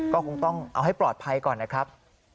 ก็คงต้องเอาให้ปลอดภัยก่อนนะครับ